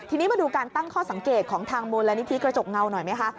ทีนี้มาดูการตั้งข้อสังเกตของทางมูลนิธิกระจกเงาหน่อยไหมคะ